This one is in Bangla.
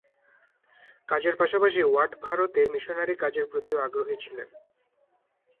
কাজের পাশাপাশি ওয়াট ভারতে মিশনারি কাজের প্রতিও আগ্রহী ছিলেন।